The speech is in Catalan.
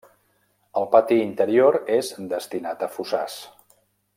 El pati interior és destinat a fossars.